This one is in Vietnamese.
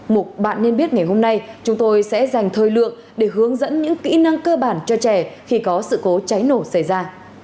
mục bạn nên biết ngày hôm nay chúng tôi sẽ dành thời lượng để hướng dẫn những kỹ năng cơ bản cho trẻ khi có sự cố cháy nổ xảy ra